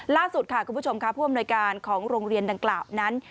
ล่าสุดค่ะคุณผู้ชมค่ะผู้อำนวยการของโรงเรียนดังกล่าวนั้น